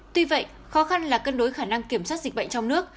tuy vậy khó khăn là cân đối khả năng kiểm soát dịch bệnh trong nước